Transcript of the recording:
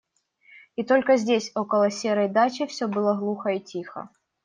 И только здесь, около серой дачи, все было глухо и тихо.